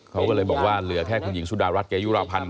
เขาก็เลยบอกว่าเหลือแค่คุณหญิงสุดารัฐเกยุราพันธ์